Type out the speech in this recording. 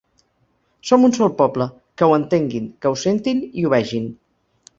Som un sol poble, que ho entenguin, que ho sentin i ho vegin.